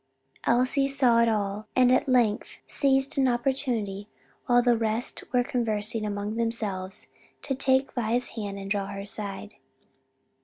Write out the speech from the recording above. Elsie saw it all, and at length seized an opportunity while the rest were conversing among themselves, to take Vi's hand and draw her to her side.